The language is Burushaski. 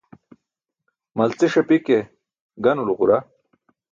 Malciṣ api ke ganulo ġura.